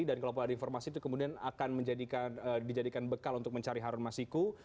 dan kalau ada informasi itu kemudian akan dijadikan bekal untuk mencari harun masiku